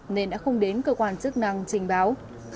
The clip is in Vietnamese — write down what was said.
nên đã không đến cơ quan chức năng trình báo